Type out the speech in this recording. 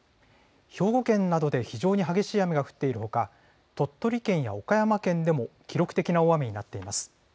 兵庫県などで非常に激しい雨が降っているほか、鳥取県や岡山県でも記録的な大雨になっています。